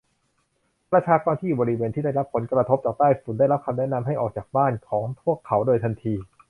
ประชากรที่อยู่บริเวณที่ได้รับผลกระทบจากไต้ฝุ่น ได้รับคำแนะนำให้ออกจากบ้านของพวกเขาโดยทันที